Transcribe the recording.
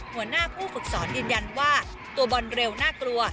หัวหน้าผู้ฝึกสอนยืนยันว่าตัวบอลเร็วน่ากลัว